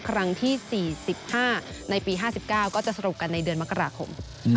ครั้งที่๔๕ในปี๕๙ก็จะสรุปกันในเดือนมกราคม